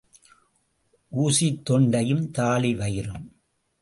ஊசித் தொண்டையும் தாழி வயிறும்.